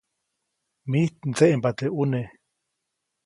Mijt mdseʼmba teʼ ʼuneʼ.